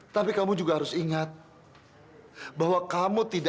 sampai jumpa di video selanjutnya